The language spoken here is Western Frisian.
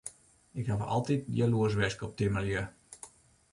Ik haw altyd jaloersk west op timmerlju.